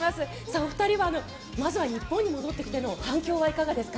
お二人はまずは日本に戻ってきての反響はいかがですか？